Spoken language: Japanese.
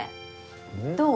どう？